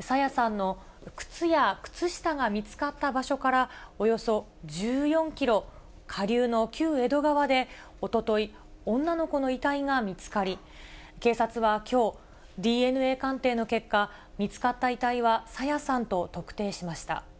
朝芽さんの靴や靴下が見つかった場所からおよそ１４キロ下流の旧江戸川で、おととい、女の子の遺体が見つかり、警察はきょう、ＤＮＡ鑑定の結果、見つかった遺体は朝芽さんと特定しました。